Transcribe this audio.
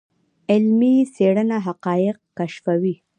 علمي څېړنه حقایق کشفوي.